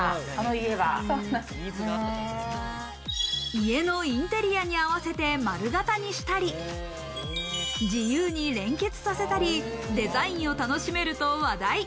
家のインテリアに合わせて丸型にしたり、自由に連結させたりデザインを楽しめると話題。